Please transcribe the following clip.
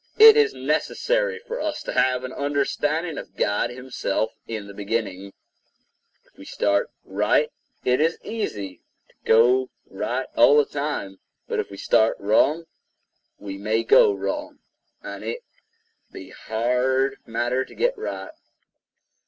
It is necessary for us to have an understanding of God himself in the beginning. If we start right, it is easy to go right all the time; but if we start wrong, we may go wrong, and it be a hard matter to get right.